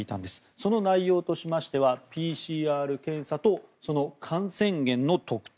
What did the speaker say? その内容としましてはＰＣＲ検査とその感染源の特定。